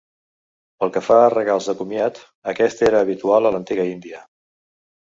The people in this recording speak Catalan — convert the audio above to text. Pel que fa a regals de comiat, aquest era habitual a l'antiga Índia.